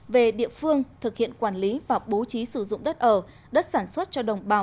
về địa phương thực hiện quản lý và bố trí sử dụng đất ở đất sản xuất cho đồng bào